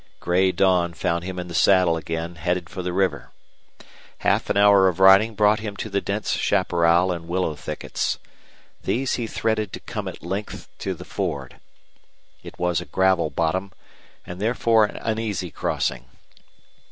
Gray dawn found him in the saddle again headed for the river. Half an hour of riding brought him to the dense chaparral and willow thickets. These he threaded to come at length to the ford. It was a gravel bottom, and therefore an easy crossing.